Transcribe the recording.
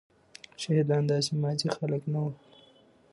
شهيدان داسي ماځي خلک نه ول.